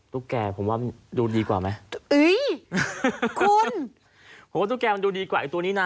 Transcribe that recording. ตุ๊กแก่ผมว่าดูดีกว่าไหมเอ้ยคุณผมว่าตุ๊กแกมันดูดีกว่าไอ้ตัวนี้นะ